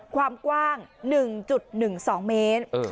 ความกว้าง๑๑๒เมตร